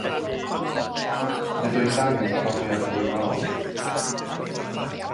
Nid oes angen profiad blaenorol.